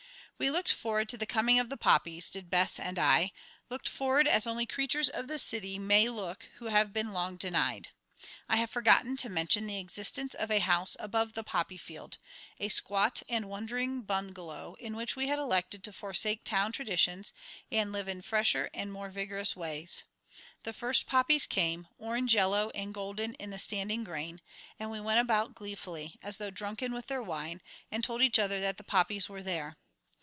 We looked forward to the coming of the poppies, did Bess and I, looked forward as only creatures of the city may look who have been long denied. I have forgotten to mention the existence of a house above the poppy field, a squat and wandering bungalow in which we had elected to forsake town traditions and live in fresher and more vigorous ways. The first poppies came, orange yellow and golden in the standing grain, and we went about gleefully, as though drunken with their wine, and told each other that the poppies were there.